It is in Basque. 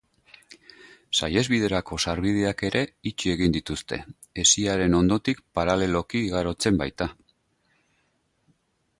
Saihesbiderako sarbideak ere itxi egin dituzte, hesiaren ondotik paraleloki igarotzen baita.